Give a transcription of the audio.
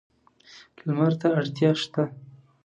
لمر ته اړتیا شته.